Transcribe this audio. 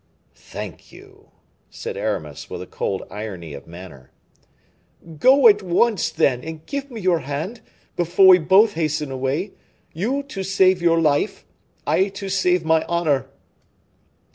"Thank you," said Aramis, with a cold irony of manner. "Go at once, then, and give me your hand, before we both hasten away; you to save your life, I to save my honor."